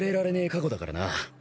過去だからな。